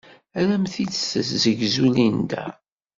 Ad am-t-id-tessegzu Linda.